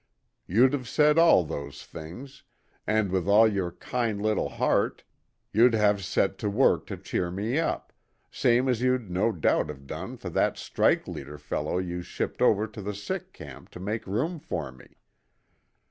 You'd have said all those things, and with all your kind little heart, you'd have set to work to cheer me up same as you'd no doubt have done for that strike leader fellow you shipped over to the sick camp to make room for me.